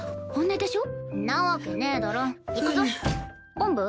おんぶ？